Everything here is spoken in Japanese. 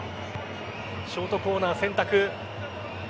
ショートコーナー選択。